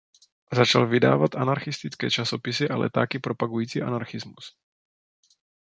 Začal vydávat anarchistické časopisy a letáky propagující anarchismus.